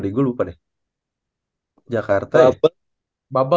kita butuh pas udah lihat semua apanya semuanya timnya wih bisa nih bisa nih udah targetnya